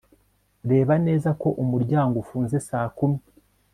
Reba neza ko umuryango ufunze saa kumi